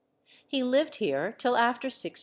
He lived here till after 1680.